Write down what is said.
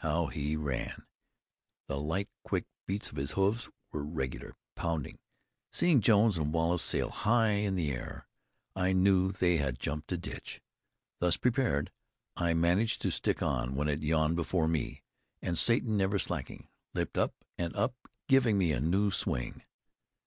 How he ran! The light, quick beats of his hoofs were regular, pounding. Seeing Jones and Wallace sail high into the air, I knew they had jumped a ditch. Thus prepared, I managed to stick on when it yawned before me; and Satan, never slackening, leaped up and up, giving me a new swing.